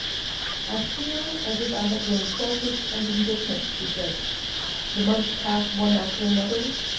" I feel as if I had grown selfish and indifferent," she said. " The months pass one after another.